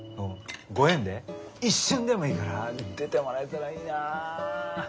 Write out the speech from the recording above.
ご縁で一瞬でもいいから出てもらえたらいいなあ。